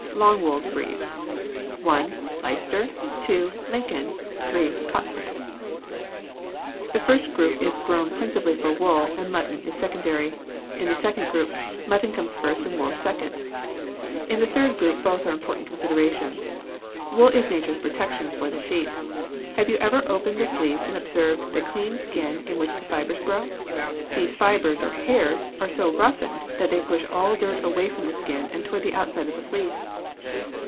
Long Wooled Breeds 1. Leicester. 2. Lincoln. 3. Cotswold. [Illustration: FIG. 254. IN THE PASTURE] The first group is grown principally for wool, and mutton is secondary; in the second group, mutton comes first and wool second; in the third group both are important considerations. Wool is nature's protection for the sheep. Have you ever opened the fleece and observed the clean skin in which the fibers grow? These fibers, or hairs, are so roughened that they push all dirt away from the skin toward the outside of the fleece.